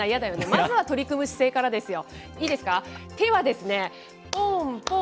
まずは取り組む姿勢からですよ。